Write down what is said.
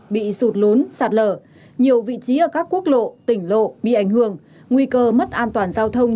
bị sụt lún sạt lở nhiều vị trí ở các quốc lộ tỉnh lộ bị ảnh hưởng nguy cơ mất an toàn giao thông